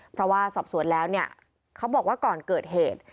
เพราะว่าสอบสวนแล้วเนี่ยเขาบอกว่าก่อนเกิดเหตุ